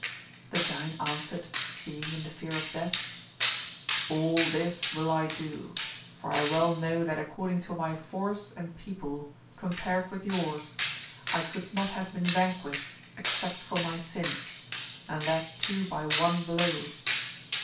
The giant answered being in the fear of death, All this will I do, for I well know that according to my force and people compared with yours I could not have been vanquished except for my sins, and that too by one blow.